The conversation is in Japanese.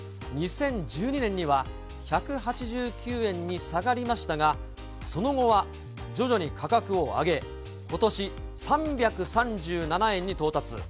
２０１２年には１８９円に下がりましたが、その後は徐々に価格を上げ、ことし、３３７円に到達。